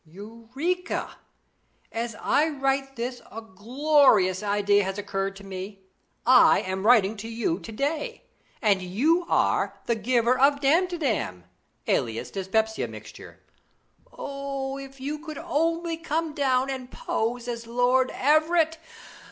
"Eureka! As I write this a glorious idea has occurred to me. I am writing to you to day, and you are the giver of the Damtidam, alias dyspepsia mixture. Oh, if you could only come down and pose as Lord Everett!